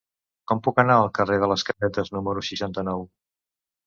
Com puc anar al carrer de les Casetes número seixanta-nou?